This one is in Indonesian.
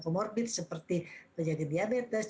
komorbit seperti penyakit diabetes